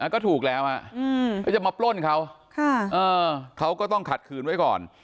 ก็ถูกแล้วก็จะมาปล้นเขาเขาก็ต้องขัดขืนไว้ก่อน